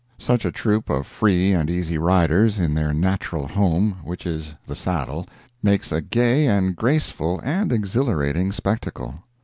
Such a troop of free and easy riders, in their natural home, which is the saddle, makes a gay and graceful and exhilarating spectacle.